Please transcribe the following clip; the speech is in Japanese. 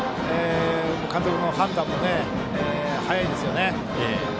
監督の判断も早いですよね。